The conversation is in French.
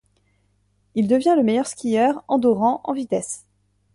Il devient le meilleur skieur andorran en vitesse.